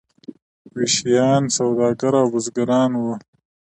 ویشیان سوداګر او بزګران وو.